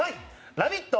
「ラヴィット！」